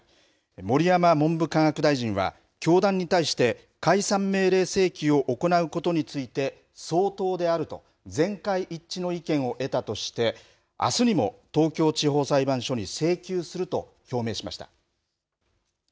盛山文部科学大臣は教団に対して解散命令請求を行うことについて相当であると全会一致の意見を得たとしてあすにも東京地方裁判所に請求すると表明しました。